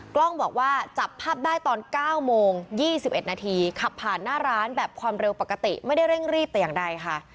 กล้องบอกว่าจับภาพได้ตอน๙โมง๒๑นาทีขับผ่านหน้าร้านแบบความเร็วปกติไม่ได้เร่งรีบแต่อย่างใดค่ะ